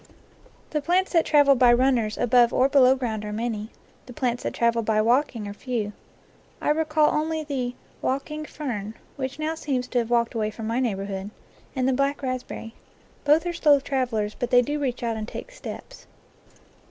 The plants that travel by runners above or below ground are many; the plants that travel by walking are few. I recall only the "walking fern," which now seems to have walked away from my neighbor hood, and the black raspberry. Both are slow travel ers, but they do reach out and take steps.